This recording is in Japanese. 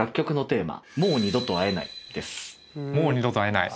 「もう二度と会えない」